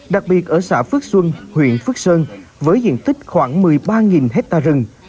đặc biệt ở xã phước xuân huyện phước sơn với diện tích khoảng một mươi ba hectare rừng